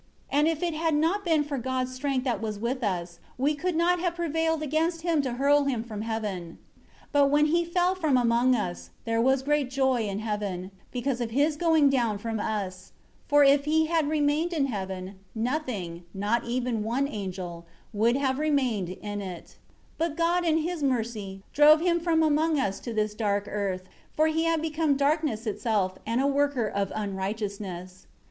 And if it had not been for God's strength that was with us, we could not have prevailed against him to hurl him from heaven. 13 But when he fell from among us, there was great joy in heaven, because of his going down from us. For if he had remained in heaven, nothing, not even one angel would have remained in it. 14 But God in His mercy, drove him from among us to this dark earth; for he had become darkness itself and a worker of unrighteousness.